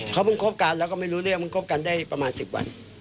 เค้ามึงโคบการแล้วก็ไม่รู้เรื่องพอได้เท่ากันประมาณ๑๐วัน